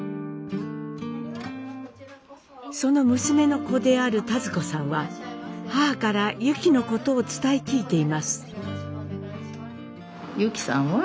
その娘の子である田鶴子さんは母からユキのことを伝え聞いています。